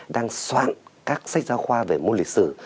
đang soạn các sách giáo khoa về môn lịch sử